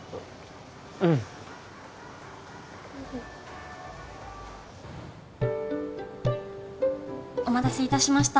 うんお待たせいたしました